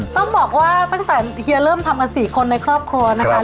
ต้องบอกว่าตั้งแต่เฮียเริ่มทำกัน๔คนในครอบครัวนะคะ